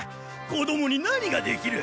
子どもに何ができる？